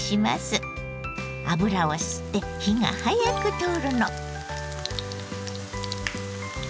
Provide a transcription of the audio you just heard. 油を吸って火が早く通るの。